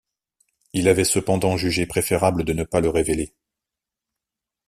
Il avait cependant jugé préférable de ne pas le révéler.